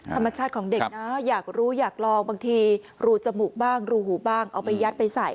ธรรมชาติของเด็กนะอยากรู้อยากลองบางทีรูจมูกบ้างรูหูบ้างเอาไปยัดไปใส่